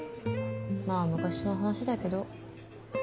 まあ昔の話だけど。